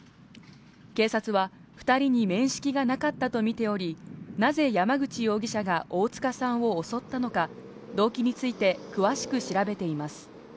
警察は２人に面識がなかったとみており、なぜ、山口容疑者が大塚さんを襲ったのか、動機について詳しく調べています。